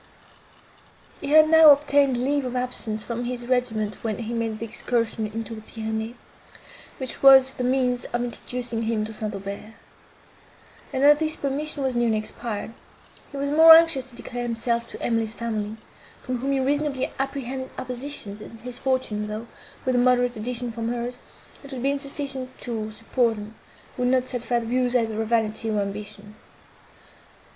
He had now obtained leave of absence from his regiment when he made the excursion into the Pyrenees, which was the means of introducing him to St. Aubert; and, as this permission was nearly expired, he was the more anxious to declare himself to Emily's family, from whom he reasonably apprehended opposition, since his fortune, though, with a moderate addition from hers, it would be sufficient to support them, would not satisfy the views, either of vanity, or ambition.